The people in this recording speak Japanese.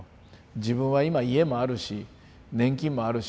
自分は今家もあるし年金もあるし